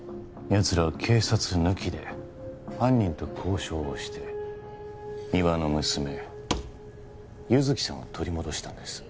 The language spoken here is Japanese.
やつらは警察抜きで犯人と交渉をして三輪の娘優月さんを取り戻したんです